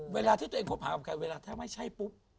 เวลาที่ตัวเองคบหากับใครเวลาถ้าไม่ใช่ปุ๊บ